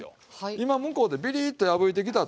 今向こうでビリッと破いてきたところ。